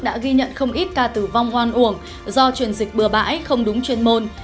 đã ghi nhận không ít ca tử vong hoan uổng do truyền dịch bừa bãi không đúng chuyên môn